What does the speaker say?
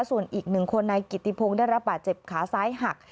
ส่วนอีกหนึ่งคนนายกิติพงศ์ได้รับบาดเจ็บขาซ้ายหัก